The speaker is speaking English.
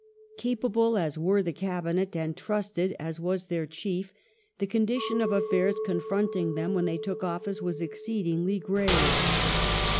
Capable as were the Cabinet and trusted as was their chief, Condition the condition of afFaii s confronting them when they took office °^^^^^'^^ was exceedingly grave.